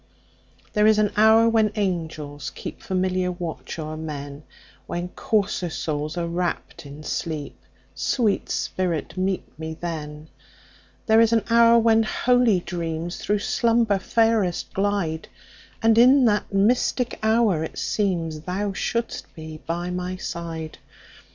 There is an hour when angels keepFamiliar watch o'er men, When coarser souls are wrapp'd in sleep—Sweet spirit, meet me then! There is an hour when holy dreamsThrough slumber fairest glide; And in that mystic hour it seemsThou shouldst be by my side.